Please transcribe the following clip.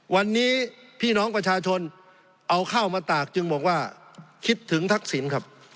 วันนี้พี่น้องประชาชนเอาข้าวมาตากจึงบอกว่าคิดถึงทักษิณครับ